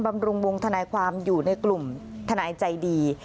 บำรุงวงธนายความอยู่ในกลุ่มทนายใจดี